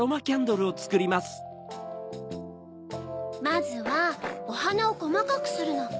まずはおはなをこまかくするの。